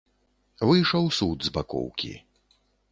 Выйшаў суд з бакоўкі.